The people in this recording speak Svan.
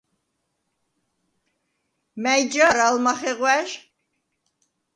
მა̈ჲ ჯა̄რ ალ მახეღვა̈ჟ?